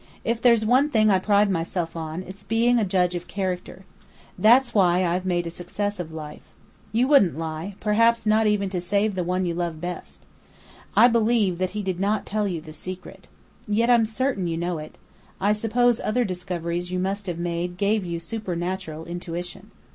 If there's one thing I pride myself on, it's being a judge of character. That's why I've made a success of life. You wouldn't lie, perhaps not even to save the one you love best. I believe that he did not tell you the secret. Yet I'm certain you know it. I suppose other discoveries you must have made gave you supernatural intuition.